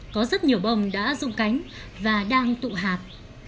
có rất nhiều bông đã rung cánh và đang tụ hạt